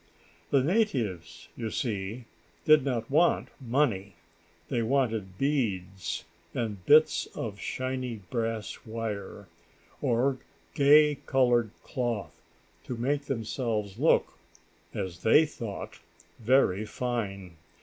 The natives, you see, did not want money. They wanted beads and bits of shiny brass wire, or gay colored cloth, to make themselves look, as they thought, very fine.